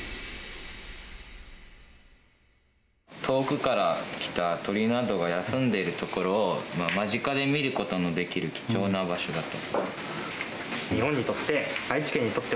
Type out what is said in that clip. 遠くから来た鳥などが休んでいるところを間近で見ることのできる貴重な場所だと思います。